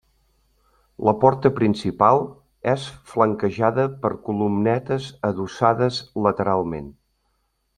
La porta principal és flanquejada per columnetes adossades lateralment.